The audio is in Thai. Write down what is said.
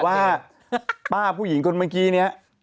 ว่าป้าผู้หญิงคนเมื่อกี้เนี่ย